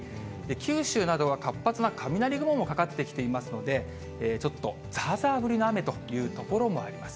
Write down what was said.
九州などは活発な雷雲もかかってきていますので、ちょっとざーざー降りの雨という所もあります。